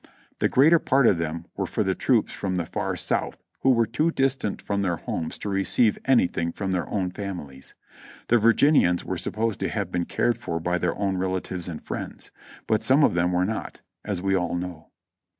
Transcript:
The greater part of them were for the troops from the far South who were too distant from their homes to receive anything from their own families. The Virginians were supposed to have been cared for by their own relatives and friends ; but some of them were not, as we all know.